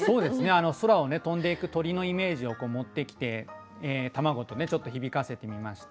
空を飛んでいく鳥のイメージを持ってきて卵とねちょっと響かせてみました。